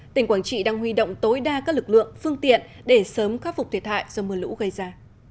tỉnh quảng trị đang huy động tối đa các lực lượng phương tiện để sớm khắc phục thiệt hại do mưa lũ gây ra